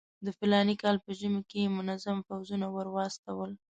د فلاني کال په ژمي کې یې منظم پوځونه ورواستول.